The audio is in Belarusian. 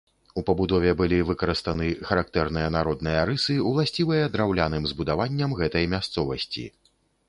У пабудове былі выкарыстаны характэрныя народныя рысы, уласцівыя драўляным збудаванням гэтай мясцовасці.